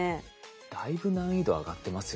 だいぶ難易度上がってますよね。